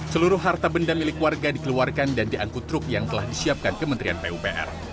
seluruh harta benda milik warga dikeluarkan dan diangkut truk yang telah disiapkan kementerian pupr